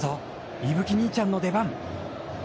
勇吹兄ちゃんの出番！